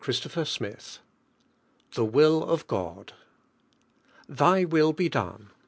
Cfupter XXVL THE "WILL OF GOD Thy will be done?